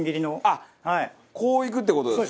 あっこういくって事ですか？